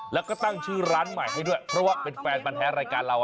แล้วก็ตั้งชื่อร้านใหม่ให้ด้วยเพราะว่าเป็นแฟนบันแท้รายการเรา